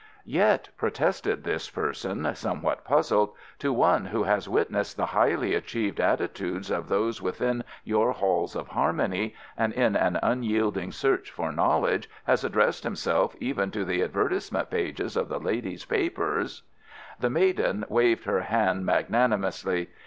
"Yet," protested this person, somewhat puzzled, "to one who has witnessed the highly achieved attitudes of those within your Halls of Harmony, and in an unyielding search for knowledge has addressed himself even to the advertisement pages of the ladies' papers " The maiden waved her hand magnanimously.